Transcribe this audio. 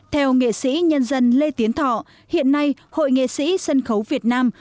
theo nghệ sĩ nhân dân lê tiến thọ hiện nay hội nghệ sĩ sân khấu việt nam